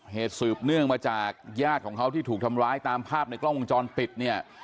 สืบเนื่องมาจากญาติของเขาที่ถูกทำร้ายตามภาพในกล้องวงจรปิดเนี่ย